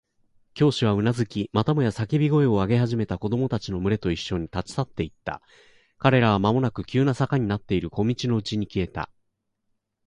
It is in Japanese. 教師はうなずき、またもや叫び声を上げ始めた子供たちのむれといっしょに、立ち去っていった。彼らはまもなく急な坂になっている小路のうちに消えた。